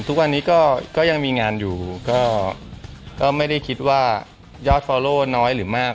ทุกวันนี้ก็ยังมีงานอยู่ก็ไม่ได้คิดว่ายอดฟอลโล่น้อยหรือมาก